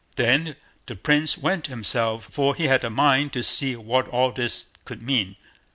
Then the Prince went himself, for he had a mind to see what all this could mean.